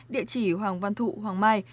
địa chỉ hoàng văn thụ hoàng mai